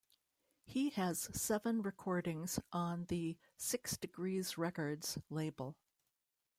He has seven recordings on the Six Degrees Records label.